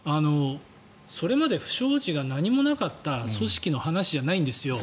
それまで不祥事が何もなかった組織の話じゃないんですよ。